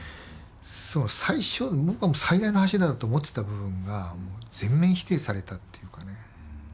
最初僕は最大の柱だと思ってた部分が全面否定されたというかね。